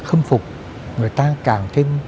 khâm phục người ta càng thêm